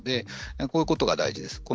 こういうことが大事です。